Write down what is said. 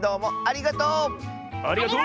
ありがとう！